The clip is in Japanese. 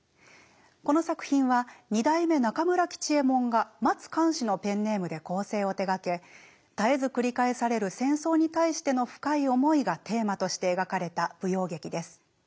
この作品は二代目中村吉右衛門が松貫四のペンネームで構成を手がけ絶えず繰り返される戦争に対しての深い思いがテーマとして描かれた舞踊劇です。